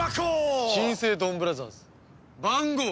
新生ドンブラザーズ番号！